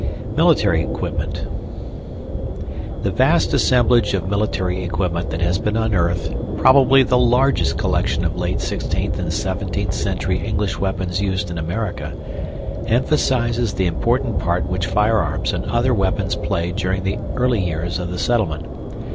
] Military Equipment The vast assemblage of military equipment that has been unearthed (probably the largest collection of late 16th and 17th century English weapons used in America) emphasizes the important part which firearms and other weapons played during the early years of the settlement.